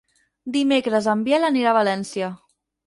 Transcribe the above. Dimecres en Biel anirà a València.